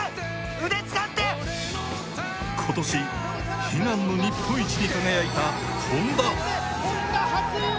今年、悲願の日本一に輝いたＨｏｎｄａ。